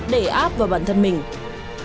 để áp vào bản thân mình